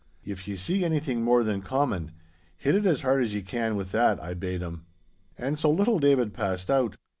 'If ye see anything more than common, hit it as hard as ye can with that,' I bade him. And so little David passed out.